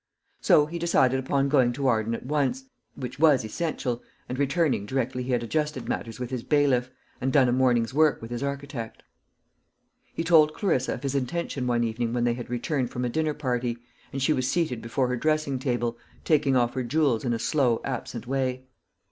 So he decided upon going to Arden at once which was essential and returning directly he had adjusted matters with his bailiff, and done a morning's work with his architect. He told Clarissa of his intention one evening when they had returned from a dinner party, and she was seated before her dressing table, taking off her jewels in a slow, absent way.